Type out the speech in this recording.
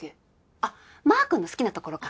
あっマー君の好きなところか！